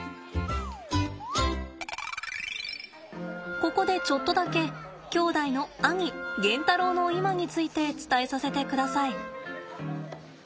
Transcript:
ここでちょっとだけ兄弟の兄ゲンタロウの今について伝えさせてください。